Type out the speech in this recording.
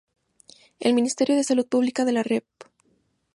El Ministerio de Salud Pública de la Rep.